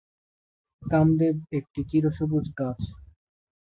কামদেব একটি চিরসবুজ গাছ।